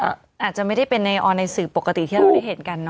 อาจจะไม่ได้เป็นในออนในสื่อปกติที่เราได้เห็นกันเน